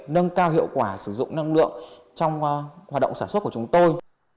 nâng cao hiệu quả sử dụng năng lượng trong hoạt động sản xuất của chúng tôi